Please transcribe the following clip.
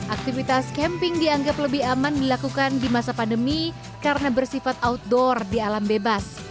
aktivitas camping dianggap lebih aman dilakukan di masa pandemi karena bersifat outdoor di alam bebas